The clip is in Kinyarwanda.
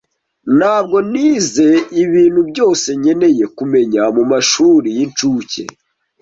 Ntabwo nize ibintu byose nkeneye kumenya mumashuri y'incuke.